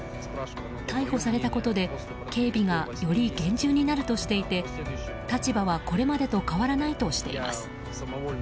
逮捕されたことで警備がより厳重になるとしていて立場はこれまでと変わらないとしています。